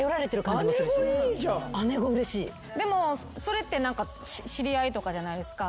でもそれって知り合いとかじゃないですか。